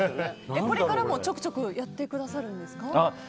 これからもちょくちょくやってくださるんですか？